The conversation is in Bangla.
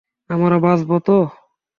আমরা বাঁচবো তো?